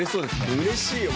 うれしいよ。